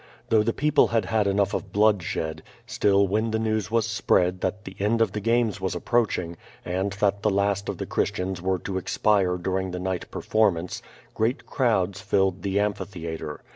Though the people had had enough of bloodshed, still when the news was spread that the end of the games was approaching, and that the last of the Christians were to expire during the night per formance, great crowds filled the amphitheatre.